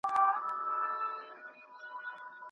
زه به درځم د توتکیو له سېلونو سره